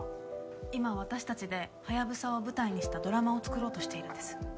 今私たちでハヤブサを舞台にしたドラマを作ろうとしているんです。